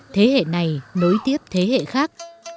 thế hệ này nối tiếp thế hệ khác